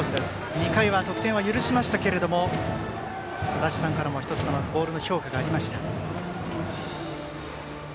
２回は得点を許しましたけども足達さんからも、１つボールの評価がありました。